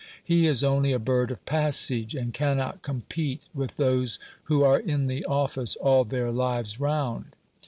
He is only a bird of passage, and cannot compete with those who are in the office all their lives round."